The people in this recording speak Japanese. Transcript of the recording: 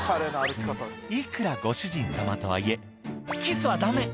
「いくらご主人様とはいえキスはダメ！